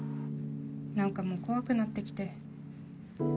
何かもう怖くなってきて。